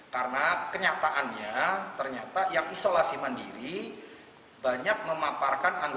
karena kenyataannya ternyata yang isolasi mandiri banyak memaparkan anggota